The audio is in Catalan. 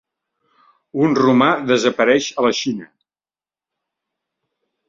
Un romà desapareix a la Xina.